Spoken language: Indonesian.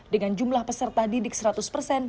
dengan jumlah peserta didik seratus persen